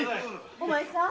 お前さん。